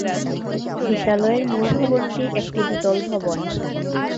বিদ্যালয়ের মূল ভবনটি একটি দ্বিতল ভবন।